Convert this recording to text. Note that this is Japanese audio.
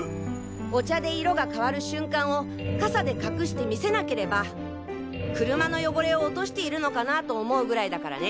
お茶で色が変わる瞬間を傘で隠して見せなければ車の汚れを落としているのかなと思うぐらいだからね。